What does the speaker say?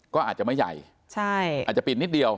ก็อาจจะไม่ใหญ่อาจจะปิดนิดเดียว